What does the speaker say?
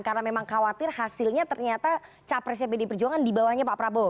karena memang khawatir hasilnya ternyata capresnya bd perjuangan di bawahnya pak prabowo